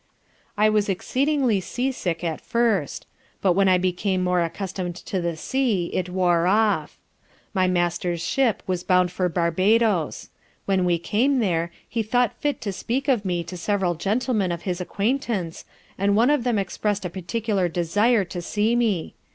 I was exceedingly sea sick at first; but when I became more accustom'd to the sea, it wore off. My master's ship was bound for Barbadoes. When we came there, he thought fit to speak of me to several gentlemen of his acquaintance, and one of them exprest a particular desire to see me.